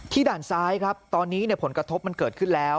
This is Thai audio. ด่านซ้ายครับตอนนี้ผลกระทบมันเกิดขึ้นแล้ว